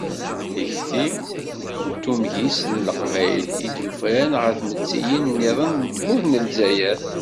Tikti n tumgist n Leqbayel" i d-yufraren ɣef tmettiyin-nniḍen n tmurt n Lezzayer.